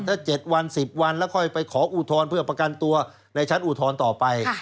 ถ้า๗วัน๑๐วันแล้วค่อยไปขออุทธรณ์เพื่อประกันตัวในชั้นอุทธรณ์ต่อไป